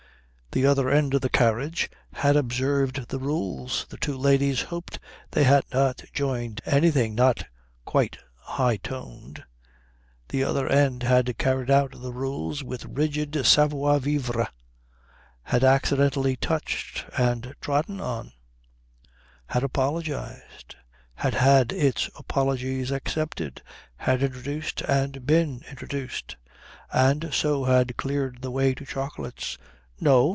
The other end of the carriage had observed the rules. The two ladies hoped they had not joined anything not quite high toned. The other end had carried out the rules with rigid savoir vivre; had accidentally touched and trodden on; had apologised; had had its apologies accepted; had introduced and been introduced; and so had cleared the way to chocolates. "No?"